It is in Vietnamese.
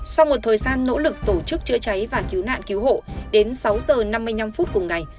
sau một thời gian nỗ lực tổ chức chữa cháy và cứu nạn cứu hộ đến sáu giờ năm mươi năm phút cùng ngày